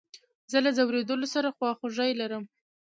زه له ځورېدلو سره خواخوږي لرم.